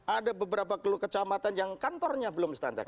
ada beberapa kecamatan yang kantornya belum standar